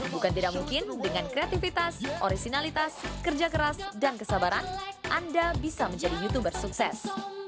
bukan tidak mungkin dengan kreativitas originalitas kerja keras dan kesabaran anda bisa menjadi youtuber sukses